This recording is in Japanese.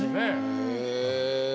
へえ。